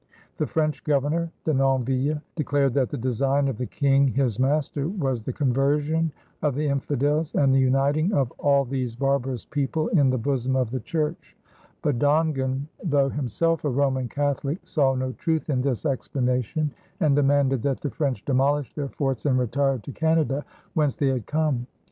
The French Governor, Denonville, declared that the design of the King his master was the conversion of the infidels and the uniting of "all these barbarous people in the bosom of the Church"; but Dongan, though himself a Roman Catholic, saw no truth in this explanation and demanded that the French demolish their forts and retire to Canada, whence they had come.